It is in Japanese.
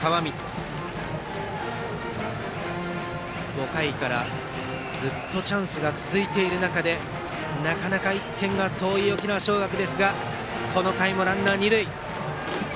５回からずっとチャンスが続いている中でなかなか１点が遠い沖縄尚学ですがこの回もランナー、二塁。